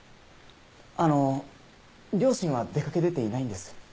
あの両親は出掛けてていないんです。